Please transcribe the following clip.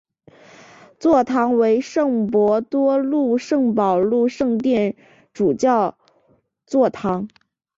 座堂为圣伯多禄圣保禄圣殿主教座堂。